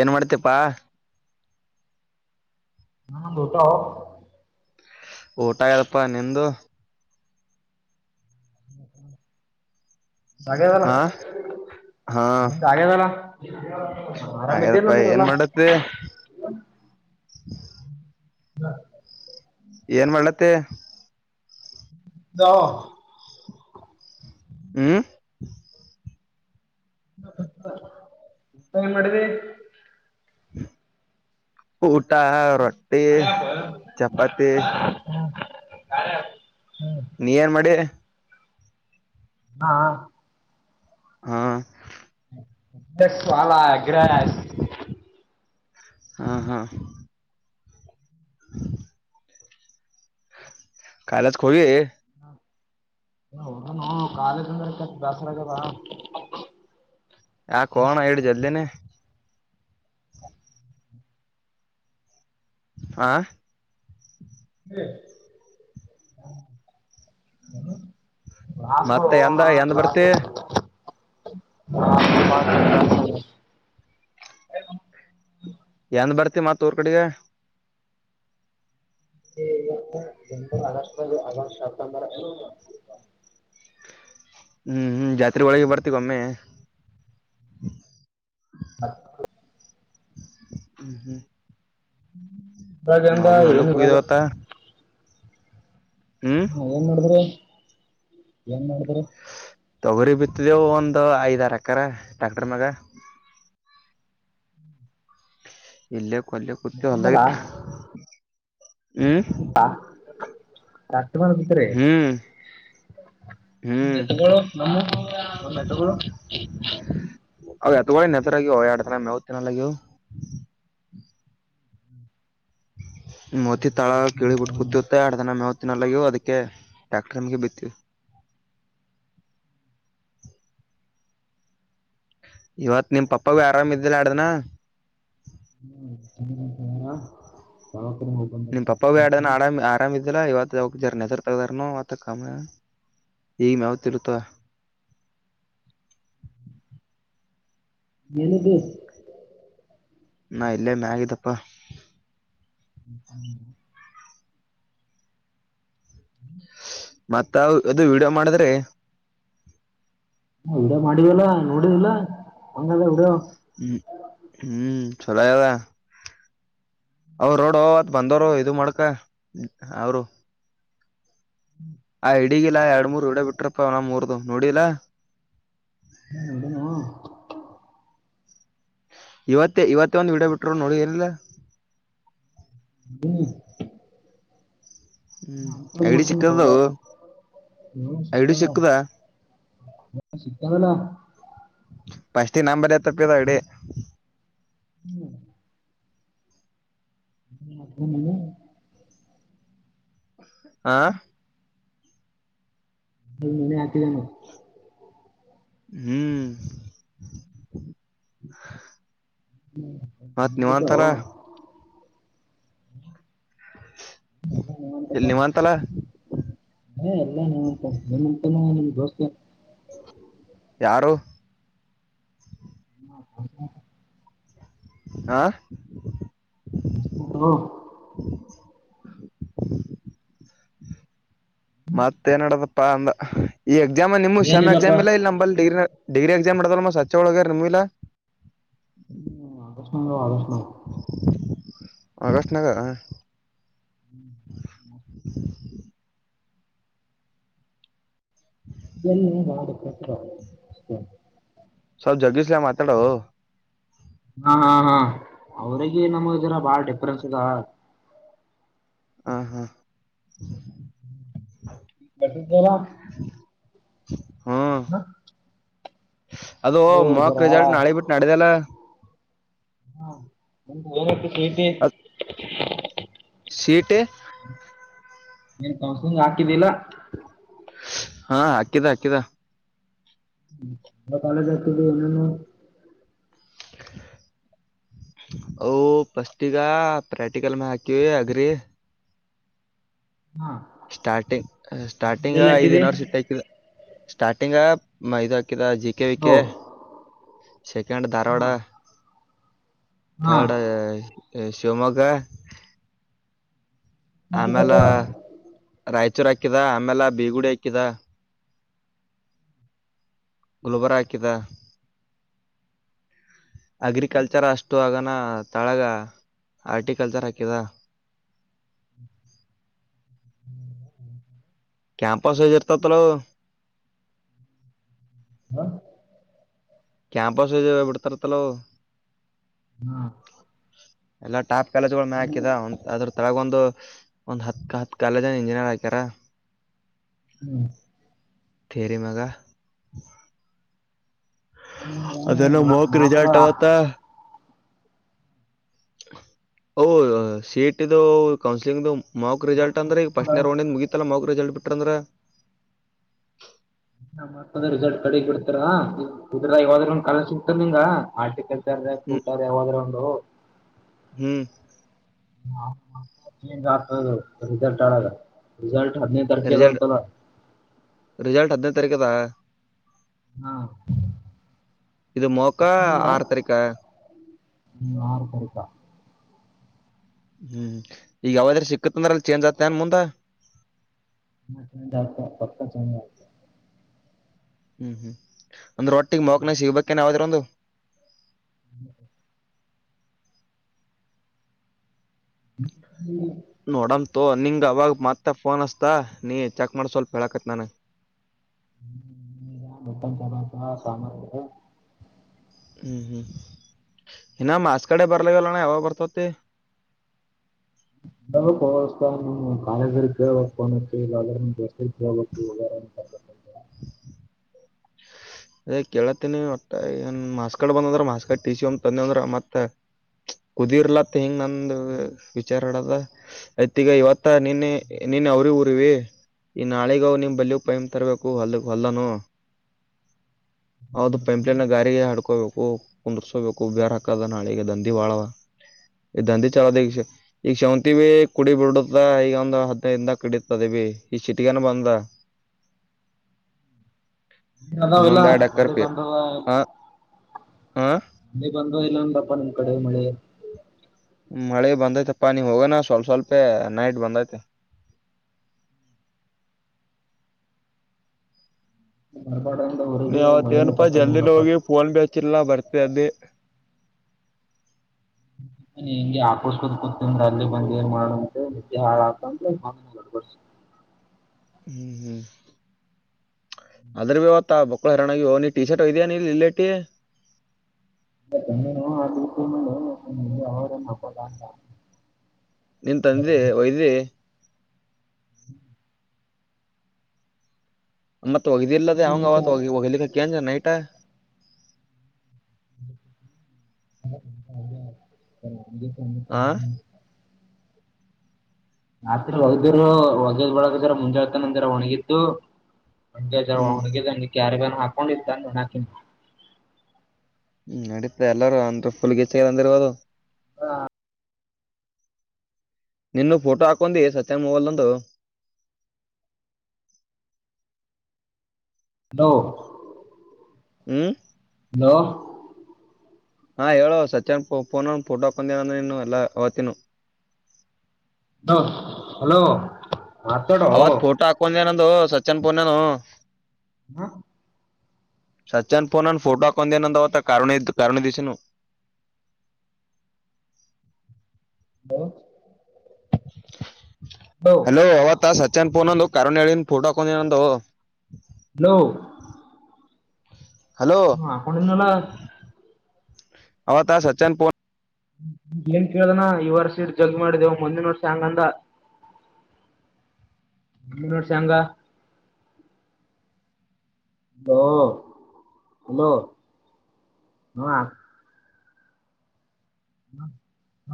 ಏನ್ ಮಾಡತ್ತಿ ಪ್ಪಾ? [unintelligible] ನಂದಾ ಊಟೊ [unintelligible] ಊಟ ಹೇಳ್ ಪ್ಪಾ ನಿಂದು? [unintelligible] ಆಗೆದಲ್ಲ. ಹಾ [unintelligible] ಹಾ ನಿಂದ ಆಗ್ಯದಲ್ಲ ಆರಾಮ್ ಇದ್ದೇನ ಹಾಗದಪ್ಪಾ ಏನ್ ಅಂದಿರಲ್ಲ? [unintelligible] ಮಾಡತ್ತೆ ಹು. ಇಲ್ಲ [unintelligible] ಏನ್ ಮಾಡಳ್ಳತ್ತಿ? [unintelligible] ದು [inaudible] ಏನ್ ಮಾಡಿದಿ ಊಟ ರೊಟ್ಟಿ ಹಾ ಚಪಾತಿ [inaudible] ನೀ ಏನ್ ಮಾಡಿ ಹಾ ಹ್ಮ್ ಸ್ವಲ ಗ್ರಾಸ್ ಹಾ ಹಾ ಕಾಲಚ್ ಕೊವಿ ಹನು ಕಾಲೇಜ [unintelligible] ಯಾಕೋ ಕಣಡ್ ಜಲ್ಲಿನಿ ಅಂ [inaudible] ಕ್ಲಾಸ್ಗಳು ಮತ್ತೆ ಎಂದ ಹೋಗಣ ಎಂದ ಕ್ಲಾಸ್ ಬರ್ತಿ [inaudible] ಏನ್ ಬರ್ತಿ ಮತ್ ಊರ್ ಕಡೆ [unintelligible] ಹ್ಮ್ ಹ್ಮ್ ಜಾತ್ರೆ ಹೋಗಿ ಬರ್ತಿವ್ ಒಮ್ಮೆ [inaudible] ಹ್ಮ್ ಹ್ಮ ನಾ ಇದ್ರಾಗಿಂದ ಏನ್ ಹೊಲ್ಲಕ್ ಇದ್ರಾಗ [unintelligible] ಹ್ಮ ಏನ್ ಮಾಡಿದ್ರಿ ಏನ್ ಮಾಡಿದ್ರಿ ತೊಗರಿ ಬಿತ್ತದೆವು ಒಂದು ಐದ್ ಆರ್ ಎಕರೆ ಟ್ಯಾಕ್ಟರ್ ಮ್ಯಾಗ ಇಲ್ಲೇ ಕೊಲ್ಲ ಕುತೂ ಹೊಲ್ದಲಿ ಹ್ಮ್ ಅಟ್ ಮಾಡ್ತ್ರಿ ಹ್ಮ್ ಹ್ಮ್ ಎತ್ತಗಗಳು ನಮ್ಮ ನಮ್ಮ ಎತ್ತಗಳು ಅ ಎತ್ಗಳು ನತರಗ ಎರಡ್ ದಿನ ಮೇವು ತಿನ್ನಲ್ಲ ಆಗಿಯೂ [unintelligible] ಲ್ಲಾಗೋ ಅದಕ್ಕೆ ಟ್ರ್ಯಾಕ್ಟರ್ಗೆ ಬಿತ್ತಿ [inaudible] ಇವತ್ ನಿಮ ಪಪ್ಪಾಗ ಆರಾಮ್ದಿಲ್ಲ ಯಾಡ್ ದಿನ ಹ್ಮ ಚಾರ ಯಾವತ್ರಿ ಹೋಗ ಬಂದ ಕಷ್ಟ ಐತೆ [unintelligible] ಈ ನವ್ತಿರುತ್ತ ಹ್ಮ್ ನಿಮಗು ನಾ ಇಲ್ಲೇ ಮ್ಯಗಿದಪ್ಪ ಹ್ಮ ಹ್ಮ್ ಮತ್ತ ಅದು ವಿಡಿಯೋ ಮಾಡಿದ್ರೆ ಹ ವಿಡಿಯೋ ಮಾಡಿದಲ್ಲ ನೋಡಿದಿಲ್ಲ ಹಂಗದ ವಿಡಿಯೋ ಹ್ಮ್ ಹ್ಮ್ ಚಲೋ ಈಗ ಅವರು ರೋಡ್ವತ್ ಬಂದವರು ಇದು ಮಾಡ್ಕ ಅವರು ಆ ಹಿಡಗಿಲ್ಲ ಎರಡ್ ಮೂರ್ ವಿಡಿಯೋ ಬಿಟ್ರಪ್ಪ ಅವನ ಮೂರ್ದು ನೋಡಿಲ್ಲ [unintelligible] ಇವತ್ತೇ ಇವತ್ ಒಂದ ವಿಡಿಯೋ ಬಿಟರು ನೋಡಿ ಏನಿಲ್ಲ ಹ್ಮ ಹ್ಮ್ ಐಡಿ ಸಿಕ್ಕದವು ಐಡಿ ಸಿಕ್ಕದ [unintelligible] ಸಿಕ್ಕದಲ ಫಸ್ಟ್ ನಂಬರ್ ಎತ್ತಪ್ಪ ಅಡಿ ಹ್ಮ್ [unintelligible] ಆ ಅದು ನೀನೇ ಹಾಕಿದ್ದಾನಾ ಹ್ಮ್ [inaudible] [inaudible] ಮತ್ ನೀವ್ ಎಲ್ಲೈತೋ ಅಂತರ [inaudible] ನಿಮ್ಮಅಂತಲ್ಲ ಹ ಎಲ್ಲ [unintelligible] ನಿಮ್ಮ ದೋಸ್ತಗೆ ಯಾರು [inaudible] ಆ [unintelligible] ಮತ್ತ ಏನ್ ಮಾಡಡದಪ್ಪಾ ಅಂದ ಈ ಎಕ್ಸಾಮ ನಿಮ ಶ್ಯಾಮಿ ಏನಿಲ್ಲಪ್ಪ ಎಕ್ಸಾಮ್ ಇಲ್ಲಾ ಇಲ್ಲ ನಂಬಲ್ಲಿ ಡಿಗ್ರಿ ಡಿಗ್ರಿ ಎಕ್ಸಾಮ್ ಮಾಡಡದಲ್ ಮ ಸಚ್ಚೆ ಒಳಗರ್ ನಿಮ್ಮಗಿಲ್ಲ ಹ್ಮ ಆಗಸ್ಟ್ ನಾ ಆಗಸ್ಟ್ ಆಗಸ್ಟ್ ನಾಗ ಹ್ಮ್ [inaudible] [unintelligible] ಸವ ಜಗ್ಗಿಸಲಾ ಮಾತಾಡೋ ಹಾ ಹಾ ಹಾ ಅವ್ರಿಗೆ ನಮ್ಮ ಇದರ ಬಾಳ ಡಿಫ್ರೆನ್ಸ್ ಇದಾವ ಹ ಹಾ [unintelligible] [inaudible] ಅದು ಓ ಮೊಕ್ ಜರಾ ರೆಸಲ್ಟ್ ನಾಳೆ ಬಿಟ್ಟು ನಾಳಿದ್ದಲ್ಲ ಹಾ [unintelligible] ಟಿ ಟಿ ಸಿ ಈ ಟಿ ನಿನ್ ಕೋಸಲ್ಲಿಂಗ್ ಹಾಕಿದಿಲ್ಲ ಹಾ ಹಾಕಿದ ಹಾಕಿದ ಎ ಕಾಲೇಜ ಯಾಕೆ ಹೋಗಿಲ್ಲ ನೀನು [inaudible] ಓ ಫ್ರಿಸ್ಟಿಗೇ ಪ್ರೆಕ್ಟಿಕಲ್ ಮೆಗಾ ಹಾಕಿ ಅಗ್ರಿ ಹಾ ಸ್ಟಾರ್ಟಿಂಗ್ ಸ್ಟಾರ್ಟಿಂಗ್ ಎಲ್ಲೆಲ್ಲಿ ಐದ್ ಹಾಕಿದಿ ಯೂನಿವರ್ಸಿಟಿ ಆಕಿದೆ ಸ್ಟಾರ್ಟಿಂಗ್ ಐದ ಜಿ ಕೆ ವಿ ಓ ಕೆ ಸೆಕೆಂಡ್ ಧಾರವಾಡ ಹಾ ಹಾ ಥರ್ಡ್ ಶಿವಮೊಗ್ಗ ಆಮೇಲ ಹಾಕಿದಪ್ಪ ರಾಯಚೂರ್ ಹಾಕಿದ ಆಮೇಲ ಬೀಗುಡಿ ಹಾಕಿದ ಗುಲ್ಬರ್ಗ ಹಾಕಿದ ಅಗ್ರಿಕಲ್ಚರ್ ಅಷ್ಟು ಆಗನ ತಳಗ ಆರ್ಟಿಕಲ್ಚರ್ ಹಾಕಿದ [inaudible] ಕ್ಯಾಂಪಸ್ ಇರ್ತದಲ್ಲೋ [unintelligible] ಕ್ಯಾಂಪಸ್ ಇದ ಬಿಡ್ತಾರೆತಲ್ಲೊ ಹಾ ಎಲ್ಲಾ ಟಾಪ್ ಕಾಲೇಜ್ಗಳ ಮೇಲೆ ಹಾಕಿದ ಅದ್ರ ತೊಳಗೊಂದು ಒಂದ್ ಹತ್ ಹತ್ ಕಾಲೇಜನ ಇಂಜಿನಿಯರ್ ಹಾಕ್ಯಾರ ಹ್ಮ ತೇರಿ ಮ್ಯಾಗ ಅದದುೆನ ಮಕ ರರಿಜಾರ್ಟ ಅವತ ಮತ್ತದ ಸೀಟ್ದು ಕೌನ್ಸಿಲಿಂಗದು ಮೌಕ್ ರಿಸಲ್ಟ್ ಅಂದ್ರೆ ಈಗ ಫಸ್ಟ್ ಇರ್ ಒಿಂದ ಮುಗಿತಲ್ಲ ಮೌಕ್ ರಿಸಲ್ಟ್ ಬಿಟ್ಟಂದ್ರ ನ ಮಾಡಕೊಂಡ ರಿಸಲ್ಟ್ ಕಡೆ ಬಿಡ್ತಾರ್ರ ಯ್ರೂ ಒಂದ ಕಲಸತ ನಿಂಗ ಆರ್ಟಿಕಲ್ ಕ ಹ್ಮ್, ಕಊಟದ ಯಾವಾದ್ರೂ ಒಂದು ಹ್ಮ್ ಆಗ್ತ ರಿಸಲ್ಟ್ ಆಡ ರಿಸಲ್ಟ್ ಹದಿನೈದು ತಾರೀಕಿಗೆ ಅದ ರಿಿಸಲ್ಟ್ ಅಂತಲ್ಲ ರಿಿಸಲ್ಟ್ ಹದಿನೈದು ತಾರೀಕದಾ ಹಾ ಇದು ಮೊಕ್ಕಾ ಆರ್ ತರಿಕ ಹ್ಮ ಯಾರ ಬತಾ ಹ್ಮ್ ಈಗ ಯಾವಾದ್ರ ಸಿಕ್ಕತ್ ಅಂದ್ರ ಅಲ್ ಚೇಂಜ್ ಆತ ಅನ್ ಮುಂದ ನ ಚಾತ ಪಕ್ಕ ಚ ಹ್ಮ್ ಹ್ಮ್ ಅಂದ್ರ ಒಟ್ಟಿಿಗೆ ಮಕ್ನಸ ಇಬಕ್ಕನ್ಾವ್ರ ಒಂದು ಹ್ಮ ಹ್ಮ ನೋಡಮಂತ ನಿಂಗ ಅವಾಗ ಮತ್ತೆ ಫೋನ್ ಅಸ್ತ ನೀ ಚೆಕ್ ಮಾಡ ಸ್ವಲ್ಪ ಹೇಳಾಕತ್ ನನ್ ಮತ್ತನ್ ಚಲ ಸಾಮನ್ ಹ್ಮ್ ಹ್ಮ್ ಇನ್ನ ಮಾಸ ಕಡೆ ಬರ್ಲಲ್ಲಣ ಯಾವಾಗ ಬರ್ತತಿ ಹ ಸ್ ನಮ್ ಕಾಯಗ ಕೇಳಳ್ಬೇಕು ಅತ್ತೆ ಇಲ್ಲ ಅದ್ರ ದಸ್ ಕೇಳಳ್ಬೇಕು [inaudible] ಅದೇ ಕೇಳತ್ತೀನಿ ಹೊಟ್ಟ ಏನ್ ಮಾಸ್ಕಡ್ ಬಂದ ಅಂದ್ರ ಮಾಸ್ಕಡ್ ಟ ಸಿ ಒ ತಂದಿ ಅಂದ್ರ ಮತ್ತ ಕುದಿರ್ಲತ್ ಹಿಂಗ್ ನಂದು ವಿಚಾರ ಆಡದ ಯ್ತ ಈಗ ಇವತ್ತ ನಿನ್ನೆ ನೀನ್ ಅವ್ರಿ ಊರಿಿ ಈ ನಾಳಿಗವು ನಿಮ್ ಬಲ್ಲಿ ಪೈಮ್ ತರಬೇಕು ಅ ಹೊಲ್ಲನು [inaudible] ಹೌದು ಪೈಂಪ್ಲೈನ್ ಗಾರಿಗೆ ಹಾಡ್ಕೋಬೇಕು ಕುಂದಸ್ಕೋಬೇಕು ಬೇರ್ ಹಾಕದ ನಾಳಿಗೆ ದಂಧಿ ಬಾಳವ ಈ ದಂದಿ ಚಲೋದ ಈಗ ಈಗ ಶಾವಂತಿ ಭ ಕುಡಿ ಬಿಡತ್ತ ಈಗ ಒಂದ್ ಹದ್ೈದಿಂದ ಕಡತದವಿ ಈ ಸಿಟಗಾನ ಬಂದ ನೀ ಇಲ್ಲ ಇನ್ನೊಂದ್ ನಡಿ ಬಂದದ ಹಾ ಮೆ ಬಂದ ಇಲ್ಲಂದಪ್ಪಾ ನಿಮ್ ಕಡೆ ಮಳೆ ಮಳೆ ಬಂದೈತೆ ಪಾನಿ ಹೋಗೋಣ ಸ್ವಲ್ಪ ಸ್ವಲ್ಪ ನೈಟ್ ಬಂದೈ್ತೆ ಹ್ಮ್ ಬರ್ಬಾರ್ದ ಅಂದ ನೀ ಊರಿಗೆ ಮಳಿನ ಅವತ್ತೇನಪಾ ಕಟ್ಟಾಗಿ ಜಲ್ದಿಲಿ ನೋಡಪ್ಪ ಹೋಗಿ ಫೋನ್ ಬಿ ಹಚ್ಚಿಲ್ಲ ಬರ್ತ ಅ್ದಿ ಹ್ಮ ಹೆಂಗೆ ಆಕರ್ಬು ಗತ್ತಿಂದ ಅಲ್ಲಿ ಬಂದ ಏನ್ ಮಾಡಂತೆ ನಿದೆ ಹಾಳಾಕಂದ್ರೆಡ್ಡಸಿ ಹ ಹ್ಮ್ ಹ್ಮ್ ಅದರವ್ಯವ ಬಕ್ಕಳ ಹರರಣಾಗಿ ನೀ ಟೀ ಶರ್ಟ್ ಹಯಯ ನೀ ಇಲ್ಲೇಟಿ ಇ ನೀನು ಆತಿ ನಿ ಅವದ ಹಕಲ್ಲ ಅಂತ ನೀನ್ ತಂದಿ ಒಯ್ದಿ ಹ್ಮ್ ಮತ್ತತ್ ಒಗ್ದಿ ಇಲ್ಲದ ಅವಂಗ ಅವವತ್ ಒ ಒಗ್ಲಿಕ್ಕಕ್ಕಂದ ನೈಟ್ ಆ [unintelligible] ರಾತ್ರಿ ಹೊದಿರು ಹೊಗದ ಬಳಗದರ ಮುಂಜಾಗತಾನ ಅಂದರ ಒಣಗಿದ್ದು ಒಗ ಜ ಹ್ಮ್ ಒುಗ ಕ್ಯಾರಿಗಾನ ಹಾಕೊಂಡಿದ್ದ ನೆಣಾಕನ್ ಹ್ಮ್ ನಡೀತ ಎಲ್ಲಾರೂ ಅಂದ್ರ ಫುಲ್ ಗೀತ ಅಂದಿರಬೋದು ಹಾ ನಿನ್ನ ಫೋಟೋ ಹಾಕೊಂಡೊಂಡಿ ಸತ್ಯನ್ ಮೊಬೈಲ್ಂದು ಲೋ ಹ್ಮ್ ಲೋ ಹಾ ಹೇಳೋ ಸಚನ್ ಫೋನ ಫೋಟೋಕೊಂಡೇಂದ್ರ ನೀನು ಎಲ್ಲಾ ಅವತಿನ ಹಲೋ ಹಲೋ ಮಾತಾಡೋ ಹಲೋ ಅವತ್ ಫೋಟೋ ಹಾಕೊಂಡನದು ಸಚ್ಚನ್ ಪೊನನು ಹಾ ಸಜಚ್ಚನ್ಫೋನನ್ಫೋಟೋ ಆ ಕೊಂದನಂದಾವತ್ತ ಕಾರಣ ದಿಶನು [inaudible] ಹಲೋ ಹಲೋ ಅ ತಾ ಸಚನ್ ಫೊನದು ಕಾರಣಲಿಳನ್ ಫೋಟ ಹಾಕೊಂಡ ಏನಂತ ಹಲೋ ಹಲೋ ಹಾ ಹಾಕೊಣಿಲ್ಲ ಆವಥಾ ಸಚ್ಚನ್ ಫೋನ್ ಏನ್ ಕೇಳ್ದನಾ ಈ ವರ್ ಸೀಟ್ ಜಗ್ ಮಾಡಿದೆೇವು ಮುಂದಿನ ವರ್ಷ ಹಂಗಂದ ಮುಂಗಿನೋರ್ಶ್ ಹೆಂಗ ಹಲೋ ಹಲೋ ಹ [inaudible]